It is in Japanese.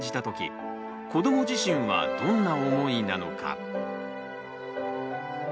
時子ども自身はどんな思いなのか。